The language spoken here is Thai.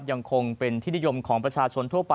ยังคงเป็นที่นิยมของประชาชนทั่วไป